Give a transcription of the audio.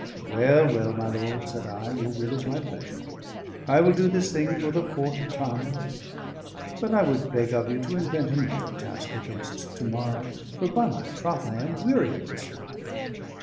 "Well, well, my lord," said I, "your will is my pleasure. I will do this thing for the fourth time; but I would beg of you to invent another task against to morrow, for by my troth, I am weary of this one."